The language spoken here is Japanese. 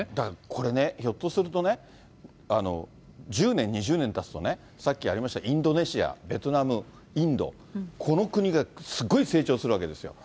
これね、ひょっとするとね、１０年、２０年たつと、さっきありました、インドネシア、ベトナム、インド、この国がすっごい成長するわけですよ。